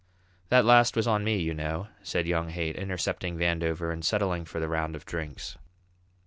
"That last was on me, you know," said young Haight, intercepting Vandover and settling for the round of drinks.